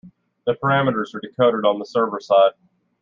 The parameters are decoded on the server side.